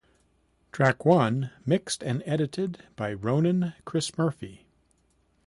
Track one mixed and edited by Ronan Chris Murphy.